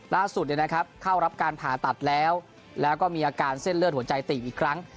เข้ารับการผ่าตัดแล้วแล้วก็มีอาการเส้นเลือดหัวใจตีบอีกครั้ง